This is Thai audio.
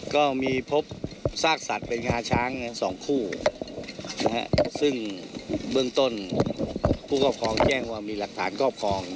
ก็มีพบซากศัตริย์เป็นงาช้าง๒คู่นะครับซึ่งเบื้องต้นผู้กับของแจ้งว่ามีหลักฐานกรอบของ